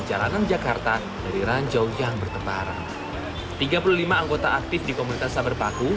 jalanan jakarta dari ranjau yang bertebaran tiga puluh lima anggota aktif di komunitas sabar paku